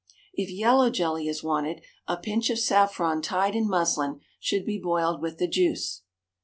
If yellow jelly is wanted a pinch of saffron tied in muslin should be boiled with the juice.